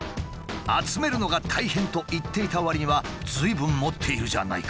集めるのが大変と言っていたわりにはずいぶん持っているじゃないか。